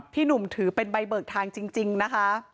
พี่หนุ่มถือเป็นใบเบิกทางจริงนะคะ